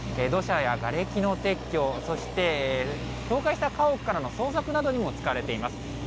土砂やがれきの撤去、そして倒壊した家屋からの捜索などにも使われています。